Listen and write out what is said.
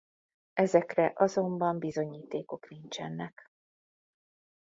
Ezekre azonban bizonyítékok nincsenek.